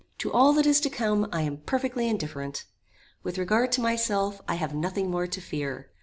To all that is to come I am perfectly indifferent. With regard to myself, I have nothing more to fear.